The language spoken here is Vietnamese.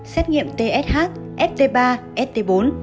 xét nghiệm tsh st ba st bốn